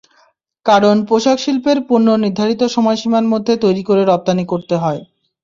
কারণ, পোশাকশিল্পের পণ্য নির্ধারিত সময়সীমার মধ্যে তৈরি করে রপ্তানি করতে হয়।